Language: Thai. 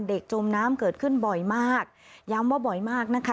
จมน้ำเกิดขึ้นบ่อยมากย้ำว่าบ่อยมากนะคะ